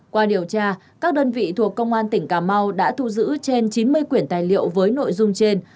qua điều tra các đơn vị thuộc công an tỉnh cà mau đã thu giữ trên chín mươi quyển tài liệu với nội dung trên